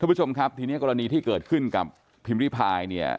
ผู้ชมครับทีนี้กรณีที่เกิดขึ้นกับพิมพิพายเนี่ย